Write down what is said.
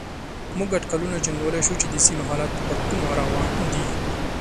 موږ اټکلونه جنګولای شو چې د سيمې حالات پر کومه روان دي.